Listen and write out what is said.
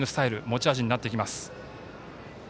持ち味になってきます。